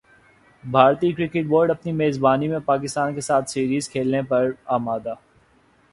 بھارتی cricket board اپنی میزبانی میں پاکستان کیساتھ سیریز کھیلنے پر مادہ